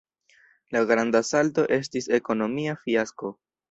La Granda Salto estis ekonomia fiasko.